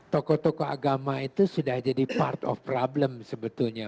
tokoh tokoh agama itu sudah jadi part of problem sebetulnya